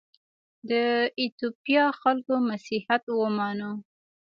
د ایتوپیا خلکو مسیحیت ومانه.